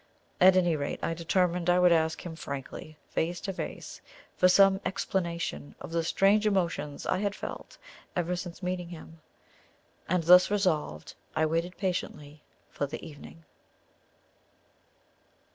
At any rate, I determined I would ask him frankly, face to face, for some explanation of the strange emotions I had felt ever since meeting him; and thus resolved, I waited patiently for the evening.